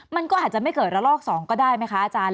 มันก็อาจจะไม่เกิดระลอก๒ก็ได้ไหมคะอาจารย์